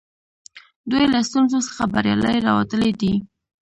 دوی له ستونزو څخه بریالي راوتلي دي.